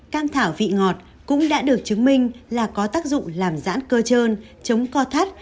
cam thảo vị ngọt cũng đã được chứng minh là có tác dụng làm dãn cơ trơn chống co thắt